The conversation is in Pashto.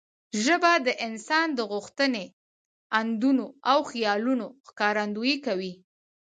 ژبه د انسان د غوښتنې، اندونه او خیالونو ښکارندويي کوي.